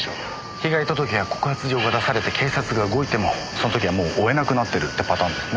被害届や告発状が出されて警察が動いてもその時はもう追えなくなってるってパターンですね。